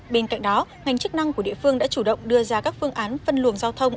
bên cạnh đó ngành chức năng của địa phương đã chủ động đưa ra các phương án phân luồng giao thông